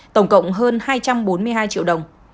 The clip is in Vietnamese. tổng cộng hơn hai trăm bốn mươi hai triệu đồng